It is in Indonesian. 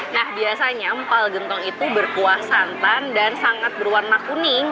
nah biasanya empal gentong itu berkuah santan dan sangat berwarna kuning